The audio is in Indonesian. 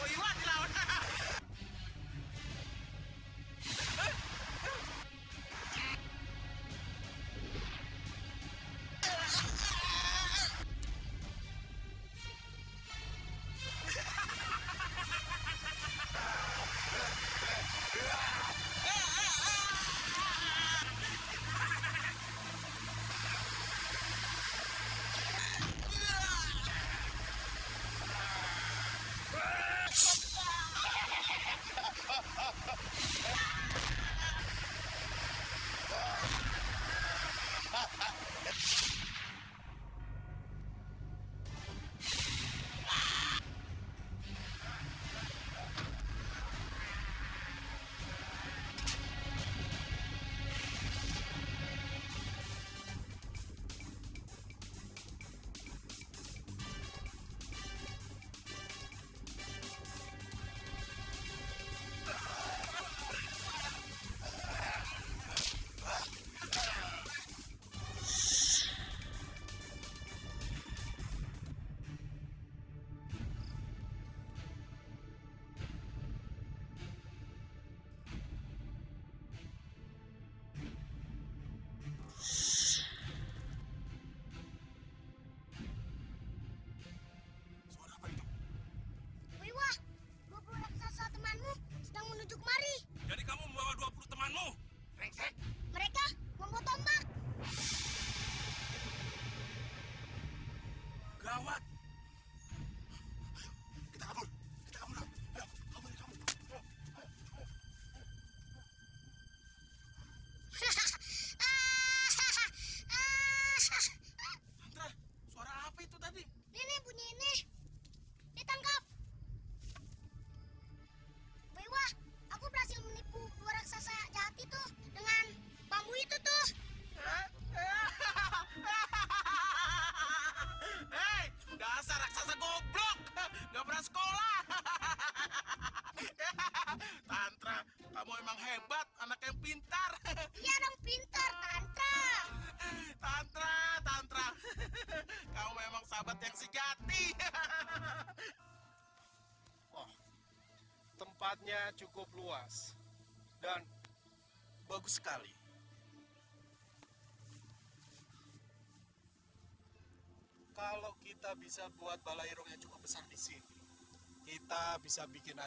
ya udah tapi kalau begitu saya permisi dulu ya besok saya kembali lagi